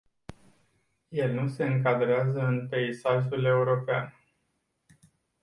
El nu se încadrează în peisajul european.